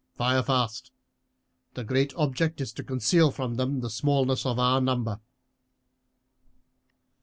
Fire fast. The great object is to conceal from them the smallness of our number."